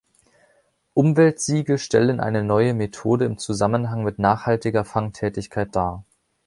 Umweltsiegel stellen eine neue Methode im Zusammenhang mit nachhaltiger Fangtätigkeit dar.